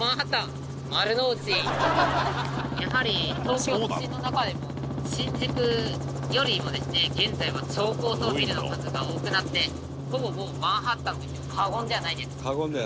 やはり東京都心の中でも新宿よりもですね現在は超高層ビルの数が多くなってほぼマンハッタンと言っても過言ではないです。